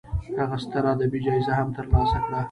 هغه ستره ادبي جایزه هم تر لاسه کړه.